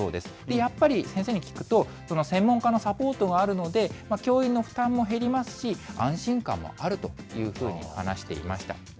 やっぱり先生に聞くと、専門家のサポートがあるので教員の負担も減りますし、安心感もあるというふうに話していました。